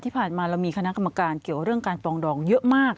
ที่ผ่านมาเรามีคณะกรรมการเกี่ยวเรื่องการปรองดองเยอะมาก